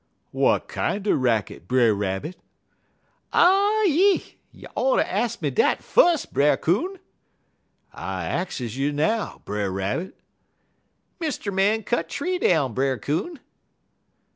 "'Wat kinder racket, Brer Rabbit?' "'Ah yi! You oughter ax me dat fus', Brer Coon.' "'I axes you now, Brer Rabbit.' "'Mr. Man cut tree down, Brer Coon.'